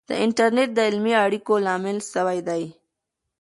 د انټرنیټ د علمي اړیکو لامل سوی دی.